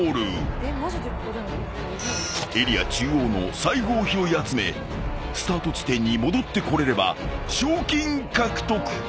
［エリア中央の財布を拾い集めスタート地点に戻ってこれれば賞金獲得］